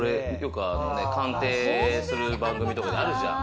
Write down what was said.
鑑定する番組とかであるじゃん。